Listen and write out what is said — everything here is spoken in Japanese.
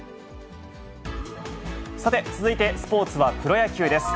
さて、続いてスポーツはプロ野球です。